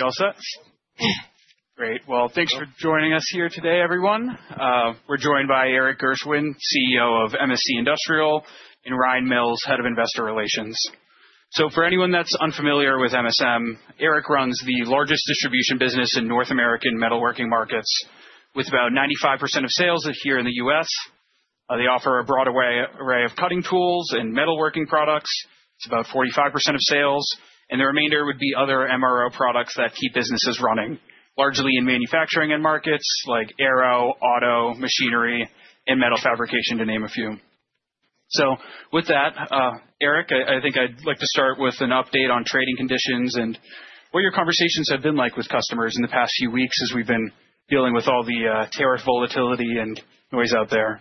Shall I start? Great. Thanks for joining us here today, everyone. We're joined by Erik Gershwind, CEO of MSC Industrial, and Ryan Mills, Head of Investor Relations. For anyone that's unfamiliar with MSM, Erik runs the largest distribution business in North AmErikan metalworking markets, with about 95% of sales here in the U.S. They offer a broad array of cutting tools and metalworking products. It's about 45% of sales, and the remainder would be other MRO products that keep businesses running, largely in manufacturing and markets like aero, auto, machinery, and metal fabrication, to name a few. With that, Erik, I think I'd like to start with an update on trading conditions and what your conversations have been like with customers in the past few weeks as we've been dealing with all the tariff volatility and noise out there.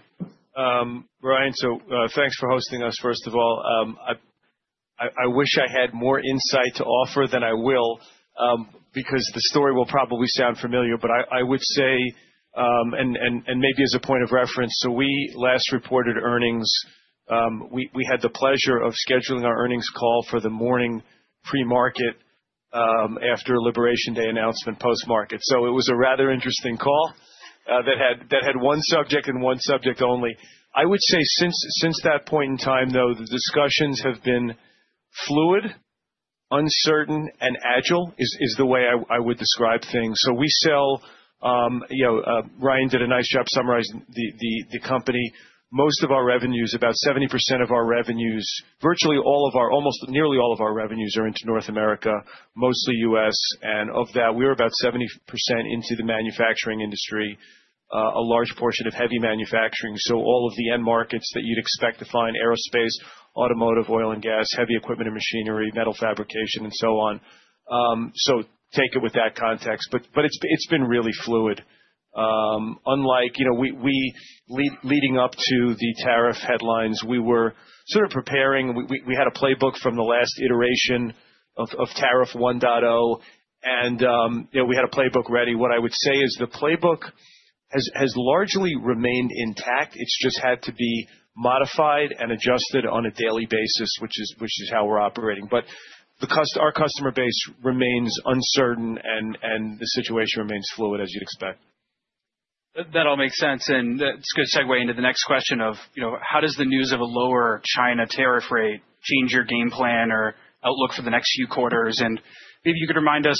Ryan, so thanks for hosting us, first of all. I wish I had more insight to offer than I will, because the story will probably sound familiar, but I would say, and maybe as a point of reference, so we last reported earnings. We had the pleasure of scheduling our earnings call for the morning pre-market after a Liberation Day announcement post-market. It was a rather interesting call that had one subject and one subject only. I would say since that point in time, though, the discussions have been fluid, uncertain, and agile is the way I would describe things. We sell—Ryan did a nice job summarizing the company. Most of our revenues, about 70% of our revenues, virtually all of our, almost nearly all of our revenues are into North AmErika, mostly U.S. Of that, we're about 70% into the manufacturing industry, a large portion of heavy manufacturing. All of the end markets that you'd expect to find: aerospace, automotive, oil and gas, heavy equipment and machinery, metal fabrication, and so on. Take it with that context. It's been really fluid. Unlike leading up to the tariff headlines, we were sort of preparing. We had a playbook from the last iteration of tariff 1.0, and we had a playbook ready. What I would say is the playbook has largely remained intact. It's just had to be modified and adjusted on a daily basis, which is how we're operating. Our customer base remains uncertain, and the situation remains fluid, as you'd expect. That all makes sense. That is a good segue into the next question of how does the news of a lower China tariff rate change your game plan or outlook for the next few quarters? Maybe you could remind us,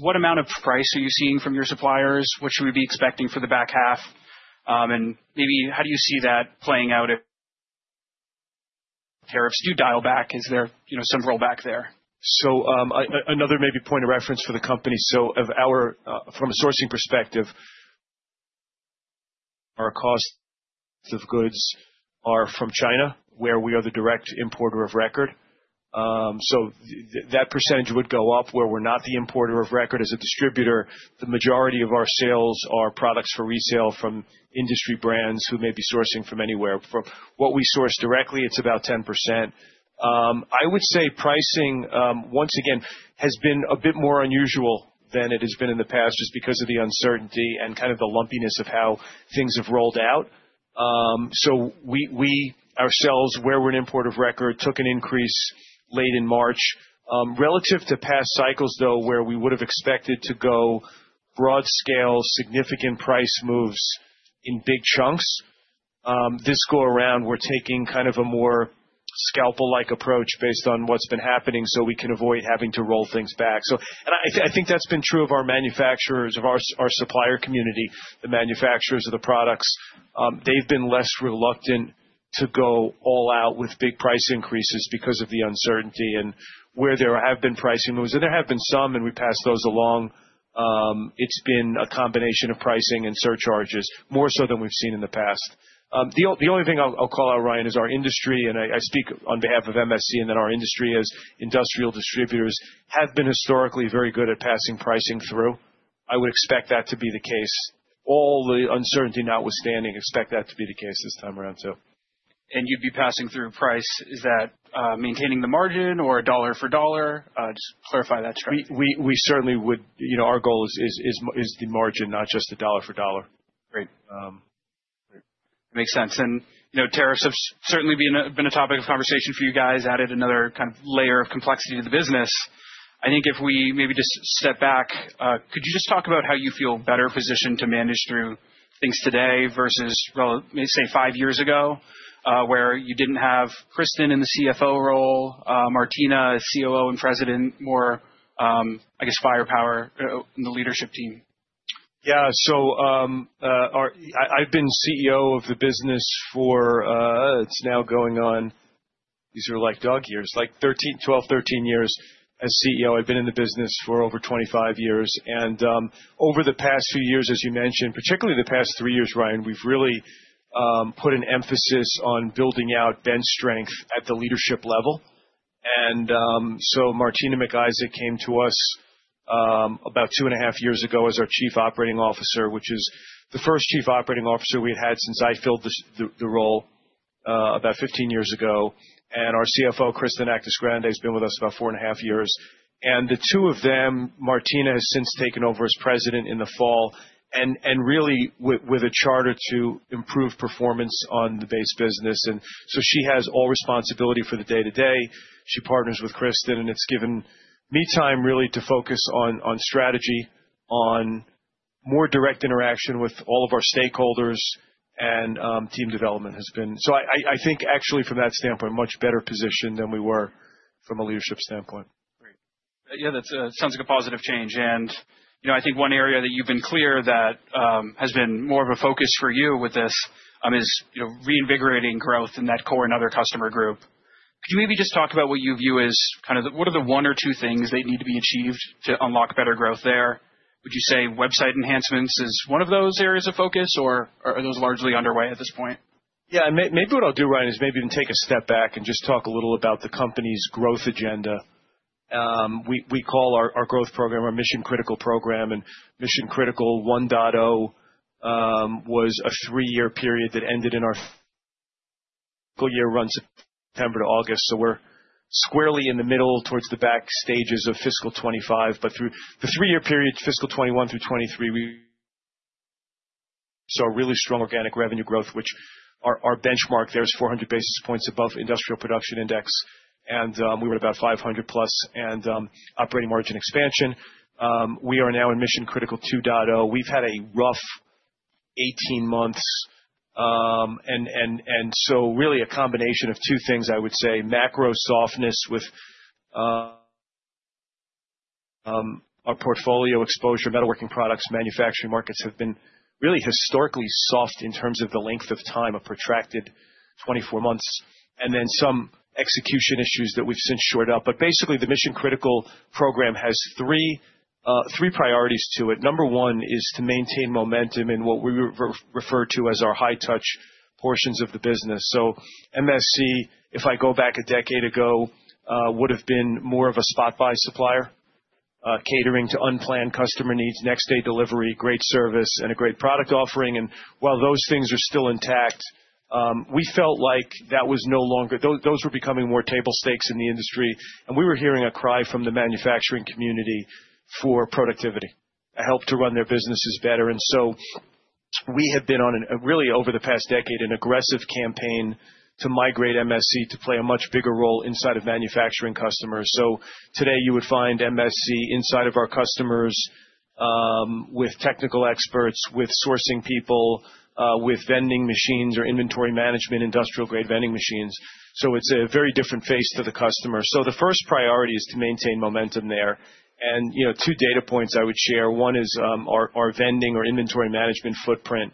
what amount of price are you seeing from your suppliers? What should we be expecting for the back half? Maybe how do you see that playing out if tariffs do dial back? Is there some rollback there? Another maybe point of reference for the company. From a sourcing perspective, our cost of goods are from China, where we are the direct importer of record. That percentage would go up where we're not the importer of record. As a distributor, the majority of our sales are products for resale from industry brands who may be sourcing from anywhere. What we source directly, it's about 10%. I would say pricing, once again, has been a bit more unusual than it has been in the past, just because of the uncertainty and kind of the lumpiness of how things have rolled out. We ourselves, where we're an importer of record, took an increase late in March. Relative to past cycles, though, where we would have expected to go broad scale, significant price moves in big chunks, this go around, we're taking kind of a more scalpel-like approach based on what's been happening so we can avoid having to roll things back. I think that's been true of our manufacturers, of our supplier community, the manufacturers of the products. They've been less reluctant to go all out with big price increases because of the uncertainty. Where there have been pricing moves, and there have been some, and we pass those along, it's been a combination of pricing and surcharges, more so than we've seen in the past. The only thing I'll call out, Ryan, is our industry, and I speak on behalf of MSC, and then our industry as industrial distributors have been historically very good at passing pricing through. I would expect that to be the case. All the uncertainty notwithstanding, expect that to be the case this time around, too. You'd be passing through price. Is that maintaining the margin or dollar for dollar? Just clarify that structure. We certainly would. Our goal is the margin, not just the dollar for dollar. Great. That makes sense. Tariffs have certainly been a topic of conversation for you guys, added another kind of layer of complexity to the business. I think if we maybe just step back, could you just talk about how you feel better positioned to manage through things today versus, say, five years ago, where you did not have Kristen in the CFO role, Martina as COO and President, more, I guess, firepower in the leadership team? Yeah. So I've been CEO of the business for, it's now going on, these are like dog years, like 12, 13 years as CEO. I've been in the business for over 25 years. Over the past few years, as you mentioned, particularly the past three years, Ryan, we've really put an emphasis on building out bench strength at the leadership level. Martina McIsaac came to us about two and a half years ago as our Chief Operating Officer, which is the first Chief Operating Officer we had had since I filled the role about 15 years ago. Our CFO, Kristen Actis-Grande, has been with us about four and a half years. The two of them, Martina has since taken over as President in the fall, and really with a charter to improve performance on the base business. She has all responsibility for the day-to-day. She partners with Kristen, and it's given me time really to focus on strategy, on more direct interaction with all of our stakeholders, and team development has been. I think, actually, from that standpoint, much better position than we were from a leadership standpoint. Great. Yeah, that sounds like a positive change. I think one area that you've been clear that has been more of a focus for you with this is reinvigorating growth in that core and other customer group. Could you maybe just talk about what you view as kind of what are the one or two things that need to be achieved to unlock better growth there? Would you say website enhancements is one of those areas of focus, or are those largely underway at this point? Yeah. Maybe what I'll do, Ryan, is maybe even take a step back and just talk a little about the company's growth agenda. We call our growth program our Mission Critical program. Mission Critical 1.0 was a three-year period that ended in our full-year run September to August. We are squarely in the middle towards the back stages of fiscal 2025. Through the three-year period, fiscal 2021 through 2023, we saw really strong organic revenue growth, which our benchmark there is 400 basis points above Industrial Production Index, and we were about 500+ in operating margin expansion. We are now in Mission Critical 2.0. We've had a rough 18 months. Really a combination of two things, I would say. Macro softness with our portfolio exposure, metalworking products, manufacturing markets have been really historically soft in terms of the length of time, a protracted 24 months, and then some execution issues that we've since shored up. Basically, the Mission Critical program has three priorities to it. Number one is to maintain momentum in what we refer to as our high-touch portions of the business. MSC, if I go back a decade ago, would have been more of a spot-buy supplier, catering to unplanned customer needs, next-day delivery, great service, and a great product offering. While those things are still intact, we felt like that was no longer, those were becoming more table stakes in the industry. We were hearing a cry from the manufacturing community for productivity, a help to run their businesses better. We had been on a really, over the past decade, an aggressive campaign to migrate MSC to play a much bigger role inside of manufacturing customers. Today, you would find MSC inside of our customers with technical experts, with sourcing people, with vending machines or inventory management, industrial-grade vending machines. It is a very different face to the customer. The first priority is to maintain momentum there. Two data points I would share. One is our vending or inventory management footprint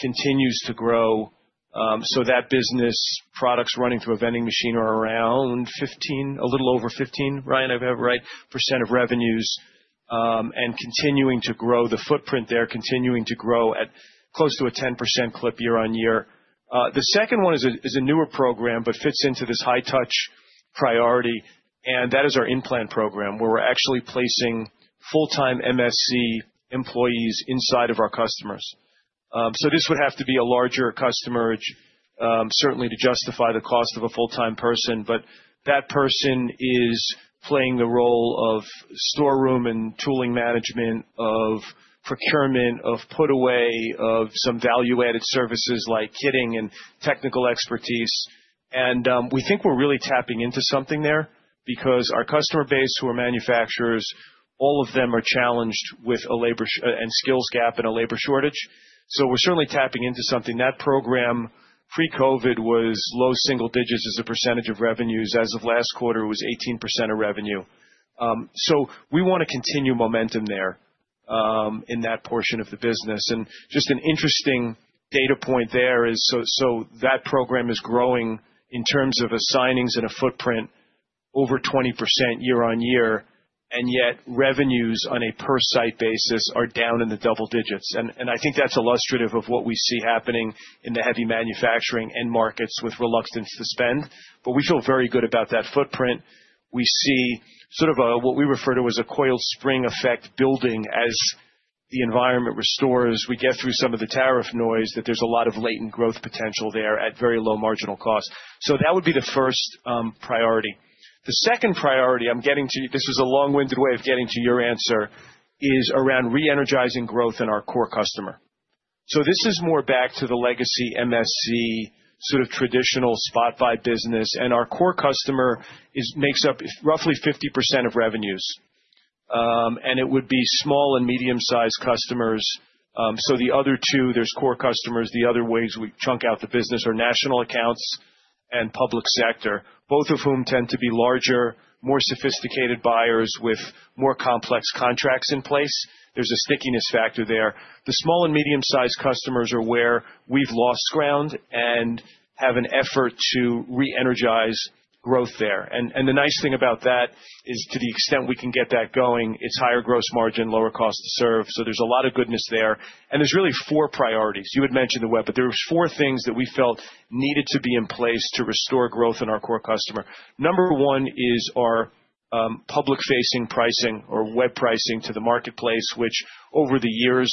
continues to grow. That business, products running through a vending machine are around 15%, a little over 15%, Ryan, if I have it right, of revenues and continuing to grow. The footprint there continuing to grow at close to a 10% clip year on year. The second one is a newer program, but fits into this high-touch priority. That is our implant program, where we're actually placing full-time MSC employees inside of our customers. This would have to be a larger customer, certainly to justify the cost of a full-time person. That person is playing the role of storeroom and tooling management, of procurement, of put-away, of some value-added services like kitting and technical expertise. We think we're really tapping into something there because our customer base, who are manufacturers, all of them are challenged with a labor and skills gap and a labor shortage. We're certainly tapping into something. That program, pre-COVID, was low single digits as a percentage of revenues. As of last quarter, it was 18% of revenue. We want to continue momentum there in that portion of the business. Just an interesting data point there is that program is growing in terms of assignings and a footprint over 20% year on year, and yet revenues on a per-site basis are down in the double digits. I think that's illustrative of what we see happening in the heavy manufacturing and markets with reluctance to spend. We feel very good about that footprint. We see sort of what we refer to as a coiled spring effect building as the environment restores. We get through some of the tariff noise that there's a lot of latent growth potential there at very low marginal cost. That would be the first priority. The second priority I'm getting to, this is a long-winded way of getting to your answer, is around re-energizing growth in our core customer. This is more back to the legacy MSC sort of traditional spot-buy business. Our core customer makes up roughly 50% of revenues. It would be small and medium-sized customers. The other two, there are core customers. The other ways we chunk out the business are national accounts and public sector, both of whom tend to be larger, more sophisticated buyers with more complex contracts in place. There is a stickiness factor there. The small and medium-sized customers are where we have lost ground and have an effort to re-energize growth there. The nice thing about that is, to the extent we can get that going, it is higher gross margin, lower cost to serve. There is a lot of goodness there. There are really four priorities. You had mentioned the web, but there were four things that we felt needed to be in place to restore growth in our core customer. Number one is our public-facing pricing or web pricing to the marketplace, which over the years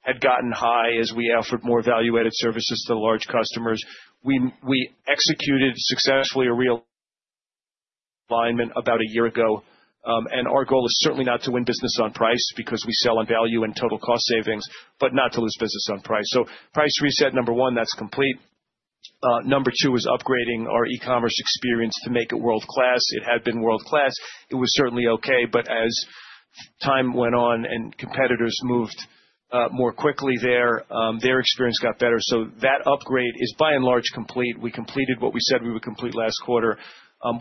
had gotten high as we offered more value-added services to large customers. We executed successfully a real alignment about a year ago. Our goal is certainly not to win business on price because we sell on value and total cost savings, but not to lose business on price. Price reset, number one, that's complete. Number two is upgrading our e-commerce experience to make it world-class. It had been world-class. It was certainly okay. As time went on and competitors moved more quickly there, their experience got better. That upgrade is, by and large, complete. We completed what we said we would complete last quarter.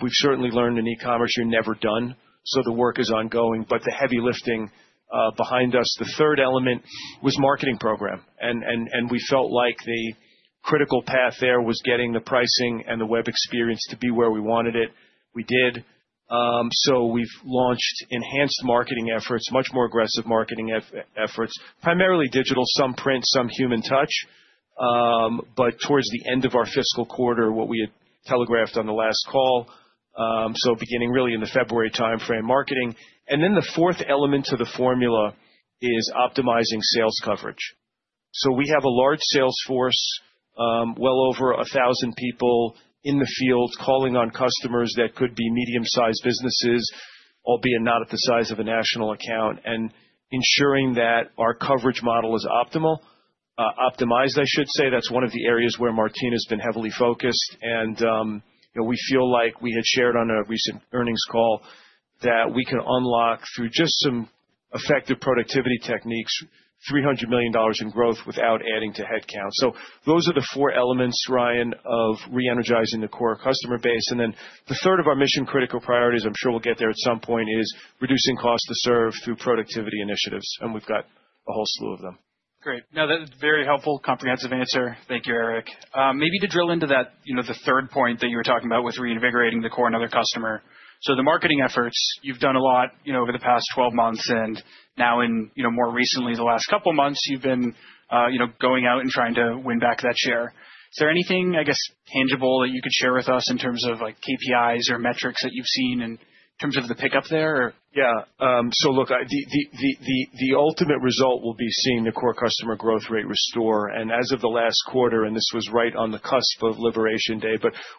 We've certainly learned in e-commerce, you're never done. The work is ongoing. With the heavy lifting behind us, the third element was marketing program. We felt like the critical path there was getting the pricing and the web experience to be where we wanted it. We did. We've launched enhanced marketing efforts, much more aggressive marketing efforts, primarily digital, some print, some human touch. Towards the end of our fiscal quarter, what we had telegraphed on the last call, beginning really in the February timeframe, marketing. The fourth element to the formula is optimizing sales coverage. We have a large sales force, well over 1,000 people in the field calling on customers that could be medium-sized businesses, albeit not at the size of a national account, and ensuring that our coverage model is optimized, I should say. That's one of the areas where Martina has been heavily focused. We feel like we had shared on a recent earnings call that we can unlock through just some effective productivity techniques, $300 million in growth without adding to headcount. Those are the four elements, Ryan, of re-energizing the core customer base. The third of our Mission Critical priorities, I'm sure we'll get there at some point, is reducing cost to serve through productivity initiatives. We've got a whole slew of them. Great. No, that's a very helpful, comprehensive answer. Thank you, Erik. Maybe to drill into that, the third point that you were talking about with reinvigorating the core and other customer. So the marketing efforts, you've done a lot over the past 12 months. And now, more recently, the last couple of months, you've been going out and trying to win back that share. Is there anything, I guess, tangible that you could share with us in terms of KPIs or metrics that you've seen in terms of the pickup there? Yeah. Look, the ultimate result will be seeing the core customer growth rate restore. As of the last quarter, and this was right on the cusp of Liberation Day,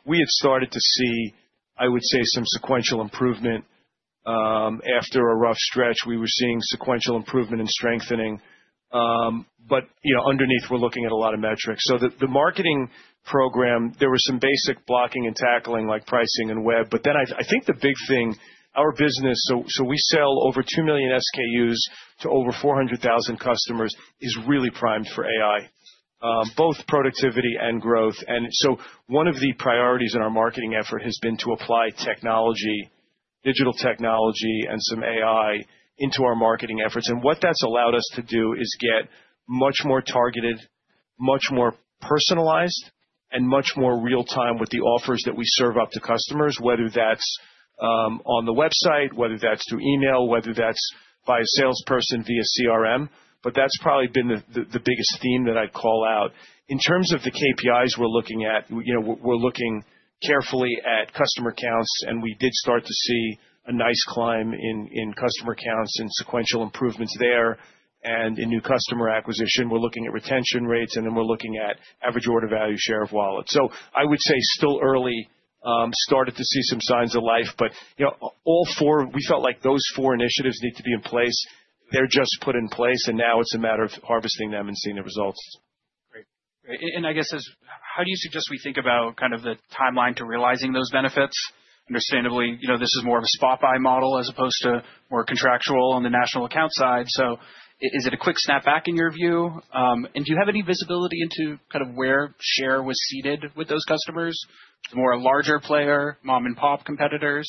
we had started to see, I would say, some sequential improvement after a rough stretch. We were seeing sequential improvement and strengthening. Underneath, we're looking at a lot of metrics. The marketing program, there were some basic blocking and tackling like pricing and web. I think the big thing, our business, we sell over 2 million SKUs to over 400,000 customers, is really primed for AI, both productivity and growth. One of the priorities in our marketing effort has been to apply technology, digital technology, and some AI into our marketing efforts. What that has allowed us to do is get much more targeted, much more personalized, and much more real-time with the offers that we serve up to customers, whether that is on the website, whether that is through email, whether that is via salesperson via CRM. That has probably been the biggest theme that I would call out. In terms of the KPIs we are looking at, we are looking carefully at customer counts. We did start to see a nice climb in customer counts and sequential improvements there and in new customer acquisition. We are looking at retention rates, and then we are looking at average order value share of wallets. I would say still early, started to see some signs of life. All four, we felt like those four initiatives need to be in place. They are just put in place. Now it is a matter of harvesting them and seeing the results. Great. I guess, how do you suggest we think about kind of the timeline to realizing those benefits? Understandably, this is more of a spot-buy model as opposed to more contractual on the national account side. Is it a quick snap back in your view? Do you have any visibility into kind of where share was seated with those customers, the more larger player, mom-and-pop competitors?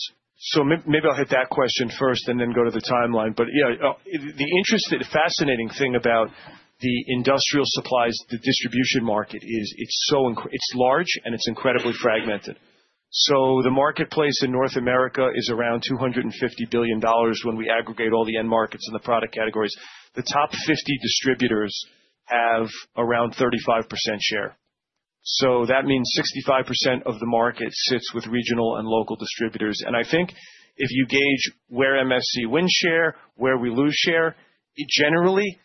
Maybe I'll hit that question first and then go to the timeline. Yeah, the interesting, fascinating thing about the industrial supplies, the distribution market, is it's so large, and it's incredibly fragmented. The marketplace in North AmErika is around $250 billion when we aggregate all the end markets and the product categories. The top 50 distributors have around 35% share. That means 65% of the market sits with regional and local distributors. I think if you gauge where MSC wins share, where we lose share, it generally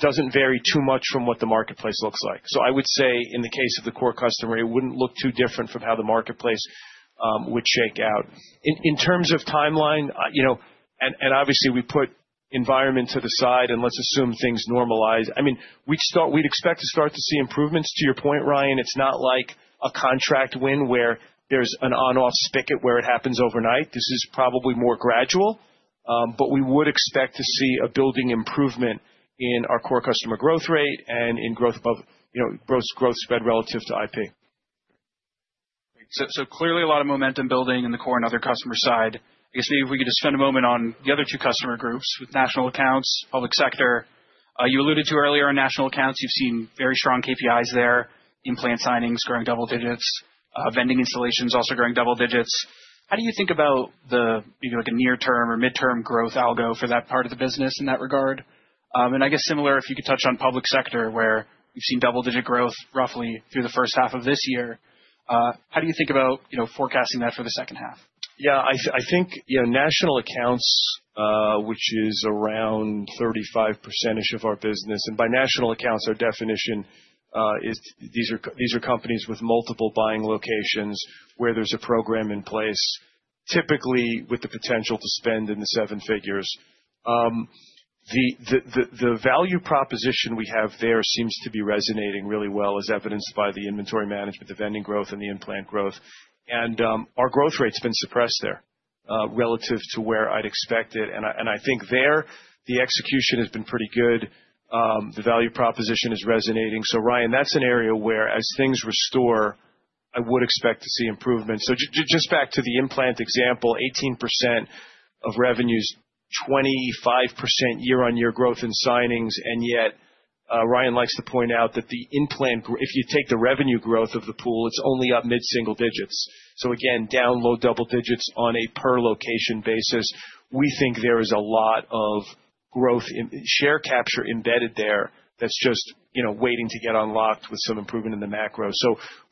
doesn't vary too much from what the marketplace looks like. I would say, in the case of the core customer, it wouldn't look too different from how the marketplace would shake out. In terms of timeline, and obviously, we put environment to the side, and let's assume things normalize. I mean, we'd expect to start to see improvements. To your point, Ryan, it's not like a contract win where there's an on-off spigot where it happens overnight. This is probably more gradual. We would expect to see a building improvement in our core customer growth rate and in growth spread relative to IP. Great. Clearly, a lot of momentum building in the core and other customer side. I guess maybe if we could just spend a moment on the other two customer groups with national accounts, public sector. You alluded to earlier on national accounts, you've seen very strong KPIs there, implant signings growing double digits, vending installations also growing double digits. How do you think about the near-term or mid-term growth algo for that part of the business in that regard? I guess similar, if you could touch on public sector, where we've seen double-digit growth roughly through the first half of this year, how do you think about forecasting that for the second half? Yeah, I think national accounts, which is around 35% of our business. And by national accounts, our definition is these are companies with multiple buying locations where there's a program in place, typically with the potential to spend in the seven figures. The value proposition we have there seems to be resonating really well, as evidenced by the inventory management, the vending growth, and the implant growth. Our growth rate's been suppressed there relative to where I'd expect it. I think there, the execution has been pretty good. The value proposition is resonating. Ryan, that's an area where, as things restore, I would expect to see improvements. Just back to the implant example, 18% of revenues, 25% year-on-year growth in signings. Yet, Ryan likes to point out that the implant, if you take the revenue growth of the pool, it's only up mid-single digits. Again, down low double digits on a per-location basis. We think there is a lot of growth share capture embedded there that is just waiting to get unlocked with some improvement in the macro.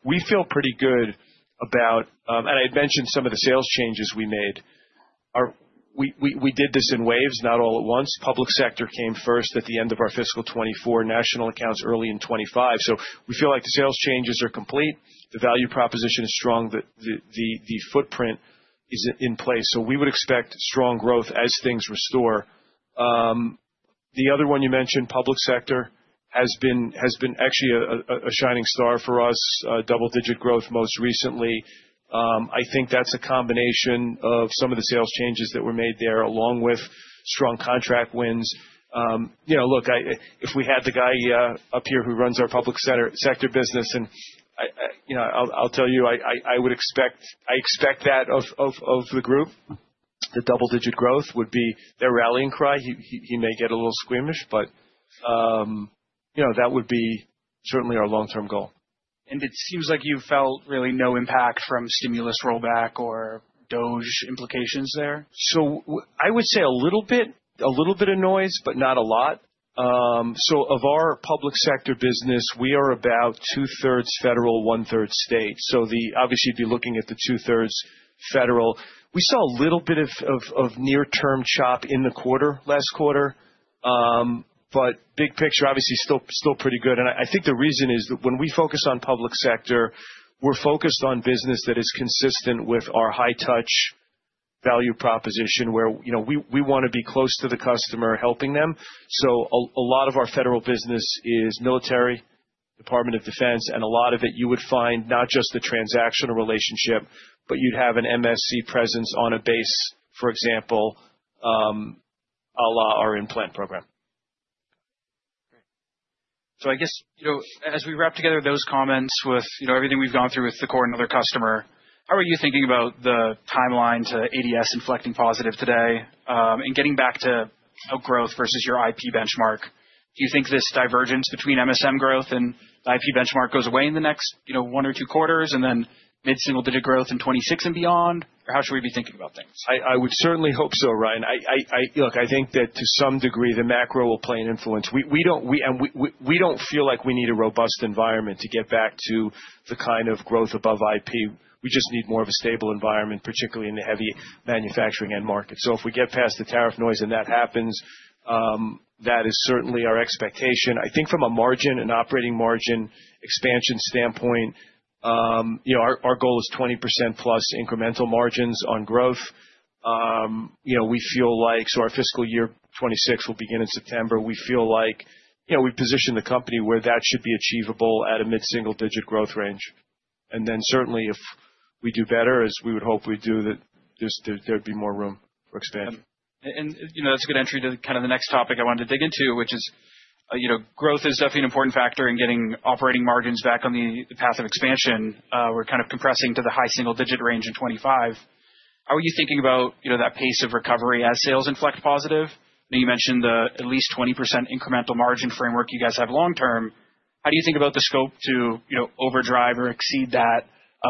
We feel pretty good about, and I had mentioned some of the sales changes we made. We did this in waves, not all at once. Public sector came first at the end of our fiscal 2024, national accounts early in 2025. We feel like the sales changes are complete. The value proposition is strong. The footprint is in place. We would expect strong growth as things restore. The other one you mentioned, public sector, has been actually a shining star for us, double-digit growth most recently. I think that is a combination of some of the sales changes that were made there along with strong contract wins. Look, if we had the guy up here who runs our public sector business, and I'll tell you, I would expect that of the group, the double-digit growth would be their rallying cry. He may get a little squeamish, but that would be certainly our long-term goal. It seems like you felt really no impact from stimulus rollback or DOGE implications there? I would say a little bit of noise, but not a lot. Of our public sector business, we are about two-thirds federal, one-third state. Obviously, you'd be looking at the two-thirds federal. We saw a little bit of near-term chop in the quarter, last quarter. Big picture, obviously, still pretty good. I think the reason is that when we focus on public sector, we're focused on business that is consistent with our high-touch value proposition, where we want to be close to the customer, helping them. A lot of our federal business is military, Department of Defense. A lot of it, you would find not just the transactional relationship, but you'd have an MSC presence on a base, for example, a la our implant program. Great. I guess, as we wrap together those comments with everything we've gone through with the core and other customer, how are you thinking about the timeline to ADS inflecting positive today? Getting back to outgrowth versus your IP benchmark, do you think this divergence between MSM growth and the IP benchmark goes away in the next one or two quarters and then mid-single-digit growth in 2026 and beyond? Or how should we be thinking about things? I would certainly hope so, Ryan. Look, I think that to some degree, the macro will play an influence. We do not feel like we need a robust environment to get back to the kind of growth above IP. We just need more of a stable environment, particularly in the heavy manufacturing end market. If we get past the tariff noise and that happens, that is certainly our expectation. I think from a margin, an operating margin expansion standpoint, our goal is 20%+ incremental margins on growth. We feel like, so our fiscal year 2026 will begin in September. We feel like we position the company where that should be achievable at a mid-single-digit growth range. Certainly, if we do better, as we would hope we do, there would be more room for expansion. That is a good entry to kind of the next topic I wanted to dig into, which is growth is definitely an important factor in getting operating margins back on the path of expansion. We are kind of compressing to the high single-digit range in 2025. How are you thinking about that pace of recovery as sales inflect positive? You mentioned the at least 20% incremental margin framework you guys have long-term. How do you think about the scope to overdrive or exceed that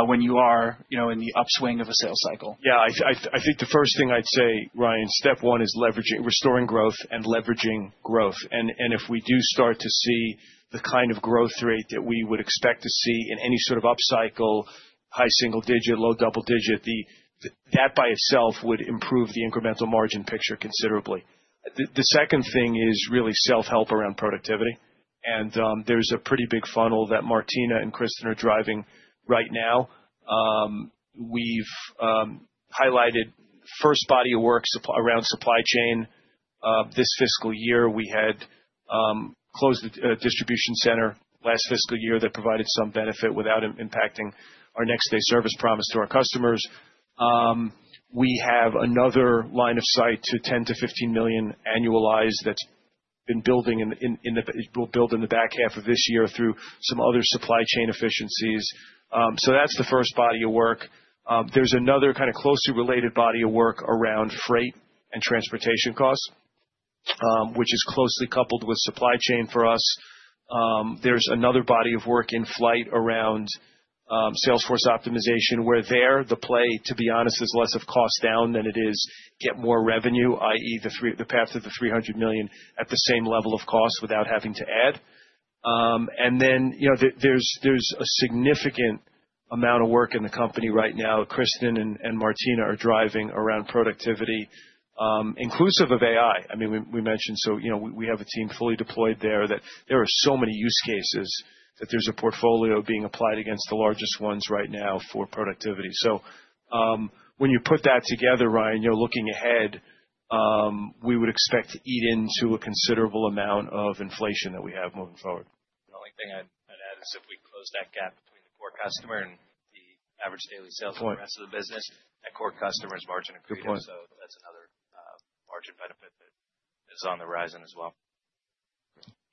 when you are in the upswing of a sales cycle? Yeah, I think the first thing I'd say, Ryan, step one is restoring growth and leveraging growth. If we do start to see the kind of growth rate that we would expect to see in any sort of upcycle, high single-digit, low double-digit, that by itself would improve the incremental margin picture considerably. The second thing is really self-help around productivity. There's a pretty big funnel that Martina and Kristen are driving right now. We've highlighted first body of work around supply chain this fiscal year. We had closed a distribution center last fiscal year that provided some benefit without impacting our next-day service promise to our customers. We have another line of sight to $10 million-$15 million annualized that's been building in the back half of this year through some other supply chain efficiencies. That's the first body of work. There's another kind of closely related body of work around freight and transportation costs, which is closely coupled with supply chain for us. There's another body of work in flight around Salesforce optimization, where there, the play, to be honest, is less of cost down than it is get more revenue, i.e., the path to the $300 million at the same level of cost without having to add. There is a significant amount of work in the company right now. Kristen and Martina are driving around productivity, inclusive of AI. I mean, we mentioned, we have a team fully deployed there that there are so many use cases that there's a portfolio being applied against the largest ones right now for productivity. When you put that together, Ryan, looking ahead, we would expect to eat into a considerable amount of inflation that we have moving forward. The only thing I'd add is if we close that gap between the core customer and the average daily sales for the rest of the business, that core customer's margin improves. So that's another margin benefit that is on the rise as well.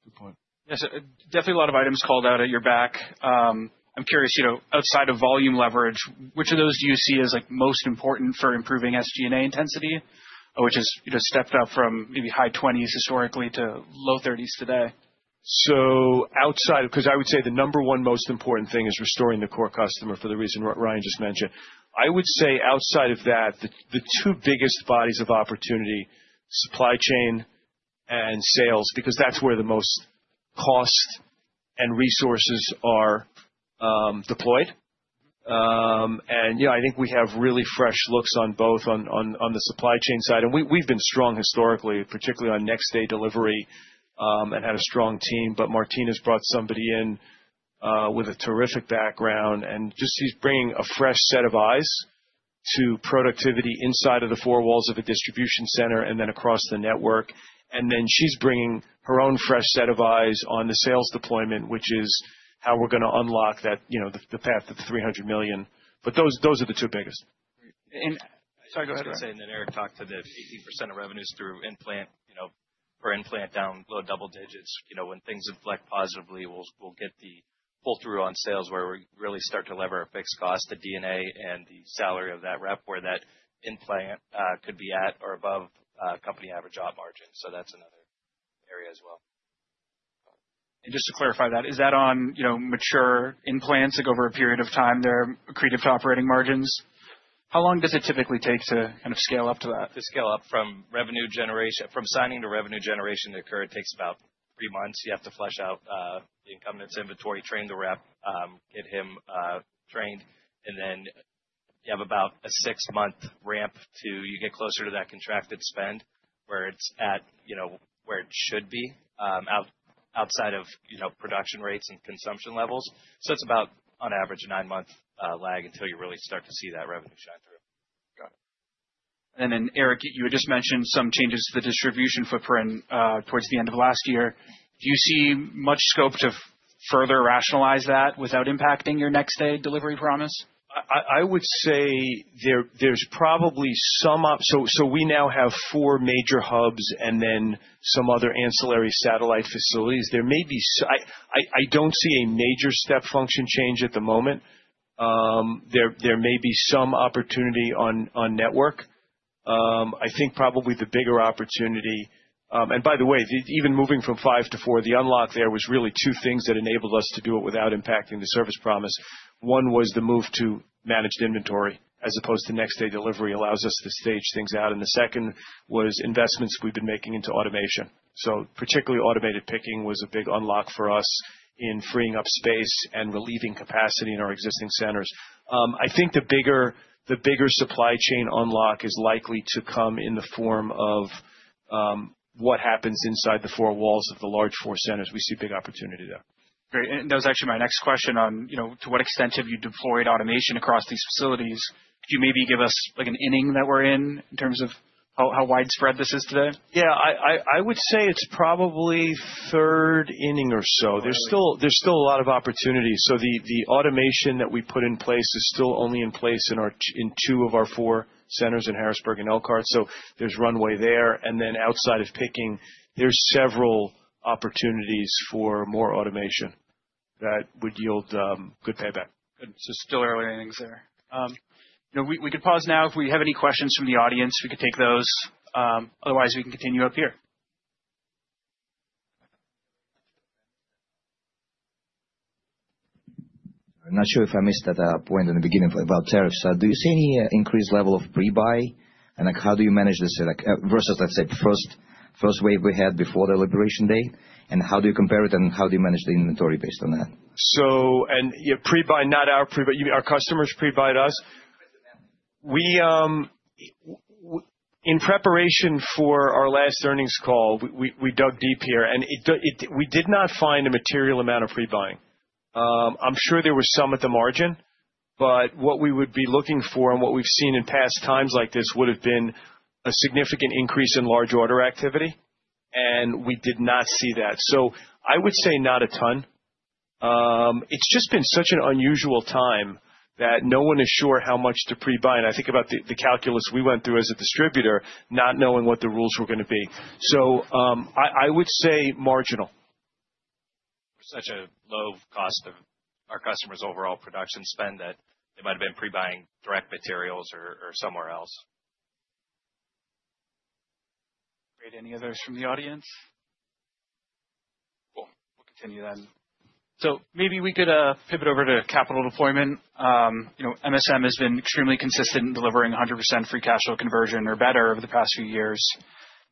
Good point. Yeah, so definitely a lot of items called out at your back. I'm curious, outside of volume leverage, which of those do you see as most important for improving SG&A intensity, which has stepped up from maybe high 20s historically to low 30s today? Outside, because I would say the number one most important thing is restoring the core customer for the reason Ryan just mentioned. I would say outside of that, the two biggest bodies of opportunity, supply chain and sales, because that is where the most cost and resources are deployed. I think we have really fresh looks on both on the supply chain side. We have been strong historically, particularly on next-day delivery, and had a strong team. Martina has brought somebody in with a terrific background. She is bringing a fresh set of eyes to productivity inside of the four walls of a distribution center and then across the network. She is also bringing her own fresh set of eyes on the sales deployment, which is how we are going to unlock the path to the $300 million. Those are the two biggest. Sorry, go ahead, Ryan. I would say in the narrow talk to the 18% of revenues through implant or implant down low double digits, when things inflect positively, we'll get the pull-through on sales where we really start to lever our fixed cost, the DNA and the salary of that rep where that implant could be at or above company average op margin. So that's another area as well. Just to clarify that, is that on mature implants over a period of time? They're accretive to operating margins. How long does it typically take to kind of scale up to that? To scale up from signing to revenue generation occur, it takes about three months. You have to flush out the incumbent's inventory, train the rep, get him trained. You have about a six-month ramp to you get closer to that contracted spend where it's at where it should be outside of production rates and consumption levels. It is about, on average, a nine-month lag until you really start to see that revenue shine through. Got it. Erik, you had just mentioned some changes to the distribution footprint towards the end of last year. Do you see much scope to further rationalize that without impacting your next-day delivery promise? I would say there's probably some option. We now have four major hubs and then some other ancillary satellite facilities. There may be, I don't see a major step function change at the moment. There may be some opportunity on network. I think probably the bigger opportunity, and by the way, even moving from five to four, the unlock there was really two things that enabled us to do it without impacting the service promise. One was the move to managed inventory as opposed to next-day delivery, which allows us to stage things out. The second was investments we've been making into automation. Particularly, automated picking was a big unlock for us in freeing up space and relieving capacity in our existing centers. I think the bigger supply chain unlock is likely to come in the form of what happens inside the four walls of the large four centers. We see big opportunity there. Great. That was actually my next question on to what extent have you deployed automation across these facilities? Could you maybe give us an inning that we're in in terms of how widespread this is today? Yeah, I would say it's probably third inning or so. There's still a lot of opportunity. The automation that we put in place is still only in place in two of our four centers in Harrisburg and Elkhart. There's runway there. Outside of picking, there's several opportunities for more automation that would yield good payback. Good. So still early innings there. We could pause now. If we have any questions from the audience, we could take those. Otherwise, we can continue up here. I'm not sure if I missed that point in the beginning about tariffs. Do you see any increased level of pre-buy? How do you manage this versus, let's say, first wave we had before the Liberation Day? How do you compare it? How do you manage the inventory based on that? Pre-buy, not our pre-buy. Our customers pre-buyed us. In preparation for our last earnings call, we dug deep here. We did not find a material amount of pre-buying. I'm sure there was some at the margin. What we would be looking for and what we've seen in past times like this would have been a significant increase in large order activity. We did not see that. I would say not a ton. It's just been such an unusual time that no one is sure how much to pre-buy. I think about the calculus we went through as a distributor, not knowing what the rules were going to be. I would say marginal. For such a low cost of our customers' overall production spend that they might have been pre-buying direct materials or somewhere else. Great. Any others from the audience? Cool. We'll continue then. Maybe we could pivot over to capital deployment. MSM has been extremely consistent in delivering 100% free cash flow conversion or better over the past few years.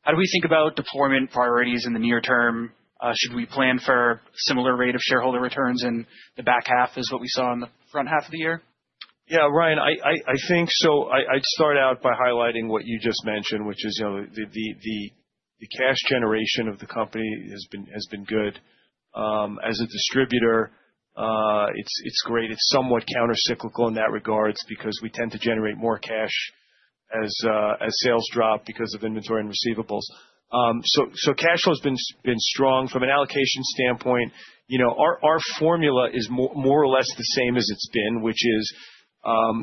How do we think about deployment priorities in the near term? Should we plan for a similar rate of shareholder returns in the back half as what we saw in the front half of the year? Yeah, Ryan, I think so. I'd start out by highlighting what you just mentioned, which is the cash generation of the company has been good. As a distributor, it's great. It's somewhat countercyclical in that regard because we tend to generate more cash as sales drop because of inventory and receivables. Cash flow has been strong from an allocation standpoint. Our formula is more or less the same as it's been, which is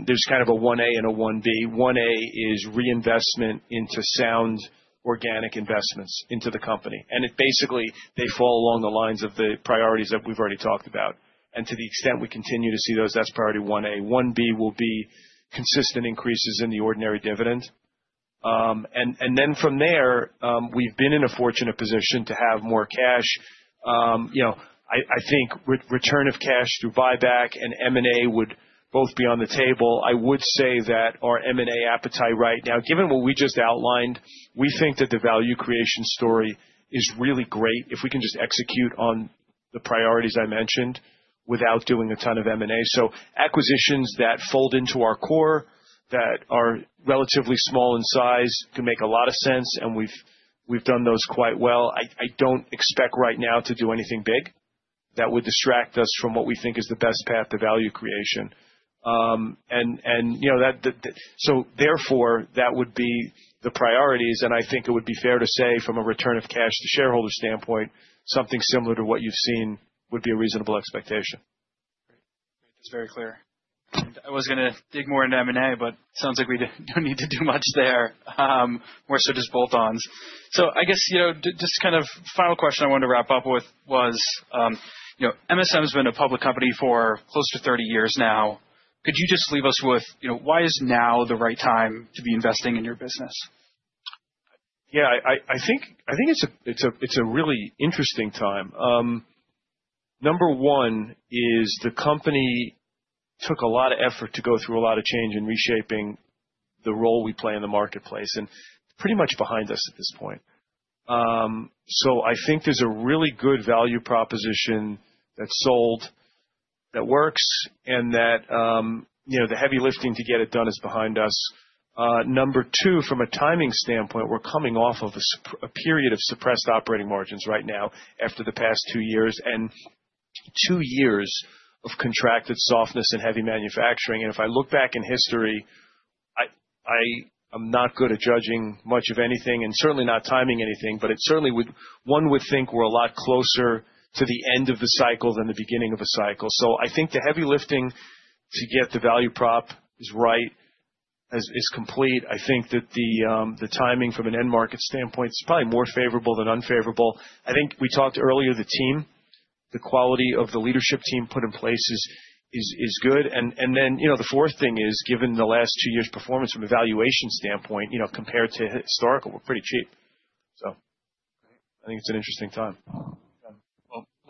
there's kind of a 1A and a 1B. 1A is reinvestment into sound organic investments into the company. Basically, they fall along the lines of the priorities that we've already talked about. To the extent we continue to see those, that's priority 1A. 1B will be consistent increases in the ordinary dividend. From there, we've been in a fortunate position to have more cash. I think return of cash through buyback and M&A would both be on the table. I would say that our M&A appetite right now, given what we just outlined, we think that the value creation story is really great if we can just execute on the priorities I mentioned without doing a ton of M&A. Acquisitions that fold into our core that are relatively small in size can make a lot of sense. And we've done those quite well. I do not expect right now to do anything big that would distract us from what we think is the best path to value creation. Therefore, that would be the priorities. I think it would be fair to say from a return of cash to shareholder standpoint, something similar to what you've seen would be a reasonable expectation. Great. That's very clear. I was going to dig more into M&A, but it sounds like we don't need to do much there. More so just bolt-ons. I guess just kind of final question I wanted to wrap up with was, MSM has been a public company for close to 30 years now. Could you just leave us with why is now the right time to be investing in your business? Yeah, I think it's a really interesting time. Number one is the company took a lot of effort to go through a lot of change and reshaping the role we play in the marketplace and pretty much behind us at this point. I think there's a really good value proposition that's sold that works and that the heavy lifting to get it done is behind us. Number two, from a timing standpoint, we're coming off of a period of suppressed operating margins right now after the past two years and two years of contracted softness and heavy manufacturing. If I look back in history, I am not good at judging much of anything and certainly not timing anything. One would think we're a lot closer to the end of the cycle than the beginning of a cycle. I think the heavy lifting to get the value prop is right is complete. I think that the timing from an end market standpoint is probably more favorable than unfavorable. I think we talked earlier, the team, the quality of the leadership team put in place is good. The fourth thing is, given the last two years' performance from a valuation standpoint, compared to historical, we're pretty cheap. I think it's an interesting time. A lot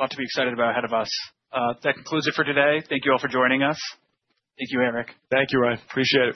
to be excited about ahead of us. That concludes it for today. Thank you all for joining us. Thank you, Erik. Thank you, Ryan. Appreciate it.